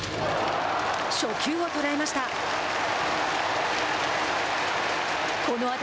初球を捉えました。